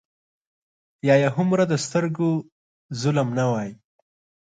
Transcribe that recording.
یا یې هومره د سترګو ظلم نه وای.